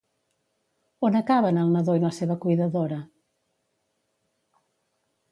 On acaben el nadó i la seva cuidadora?